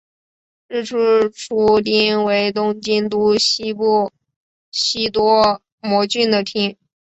日之出町为东京都西部西多摩郡的町。